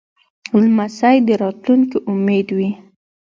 لمسی د راتلونکې امید وي.